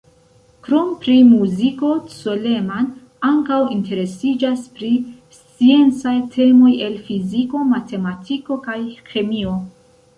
Krom pri muziko Coleman ankaŭ interesiĝas pri sciencaj temoj el fiziko, matematiko kaj ĥemio.